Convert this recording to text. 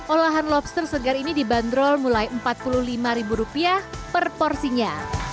olahan lobster segar ini dibanderol mulai empat puluh lima per porsinya